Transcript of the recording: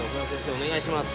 お願いします。